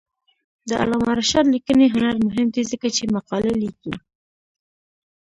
د علامه رشاد لیکنی هنر مهم دی ځکه چې مقالې لیکي.